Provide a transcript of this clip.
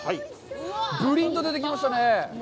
ぶりんと出てきましたね。